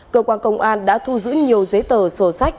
cơ quan công an đã thu giữ nhiều giấy tờ sổ sách